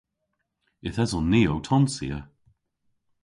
Yth eson ni ow tonsya.